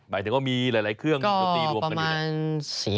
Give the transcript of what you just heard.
หมายถึงว่ามีหลายเครื่องดนตรีรวมกันอยู่เนี่ย